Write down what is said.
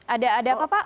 ada apa pak